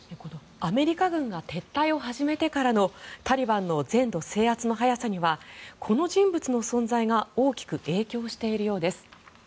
アメリカ軍が撤退を始めてからのタリバンのアフガニスタン全土制圧の動きにはこの人物の存在が大きく影響しているようです。